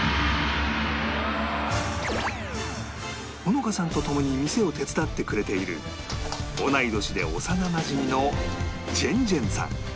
穂乃花さんと共に店を手伝ってくれている同い年で幼なじみのジェンジェンさん